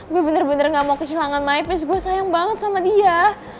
gue bener bener gak mau kehilangan miss gue sayang banget sama dia